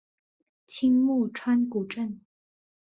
青木川古镇